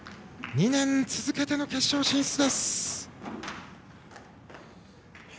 ２年続けての決勝進出です。